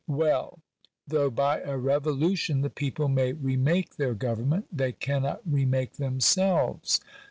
Well : though by a revolution the people may re make their govern ment, they cannot re make themselves.